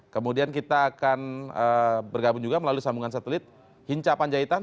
kemudian kita akan bergabung juga melalui sambungan satelit hinca panjaitan